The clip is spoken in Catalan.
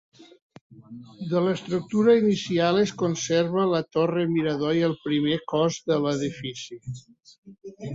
De l'estructura inicial es conserva la torre-mirador i el primer cos de l'edifici.